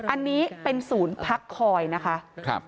อันนี้เป็นศูนย์พักคอยนะคะ